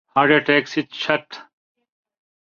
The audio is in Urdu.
ہارٹ اٹیک سے چھٹ